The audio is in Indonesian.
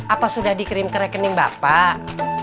apa sudah dikirim ke rekening bapak